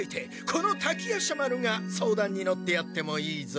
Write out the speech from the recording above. この滝夜叉丸が相談に乗ってやってもいいぞ。